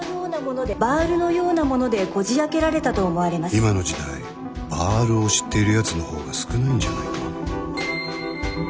今の時代「バール」を知っているやつの方が少ないんじゃないか？